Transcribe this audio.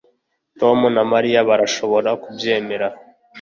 Tom na Mariya barashobora kubyemera